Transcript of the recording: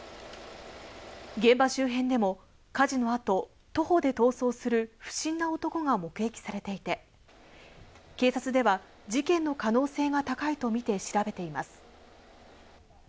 現場周辺でも火事の後、徒歩で逃走する不審な男が目撃されていて、警察では事件の可能性が高いとみて調べています。